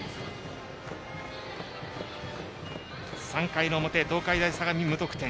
３回の表、東海大相模は無得点。